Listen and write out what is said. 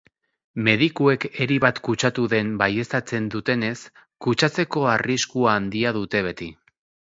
Medikuek eri bat kutsatu den baieztatzen dutenez, kutsatzeko arrisku handia dute beti.